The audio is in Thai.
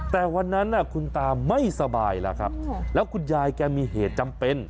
แต่วันนั้นคุณตาไม่สบายแล้วครับแล้วคุณยายแกมีเหตุจำเป็น